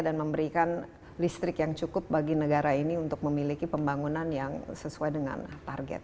dan memberikan listrik yang cukup bagi negara ini untuk memiliki pembangunan yang sesuai dengan target